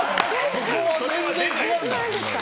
そこは全然違うんだ。